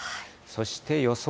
そして予想